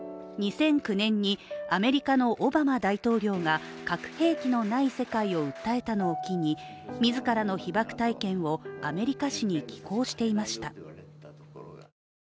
２００９年にアメリカのオバマ大統領が核兵器のない世界を訴えたのを機に自らの被爆体験をアメリカ紙に寄稿していました。